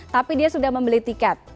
tapi dia sudah membeli tiket